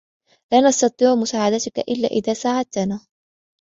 لا نسطيعُ مساعدتَك إلاّ اذا ساعدتنا.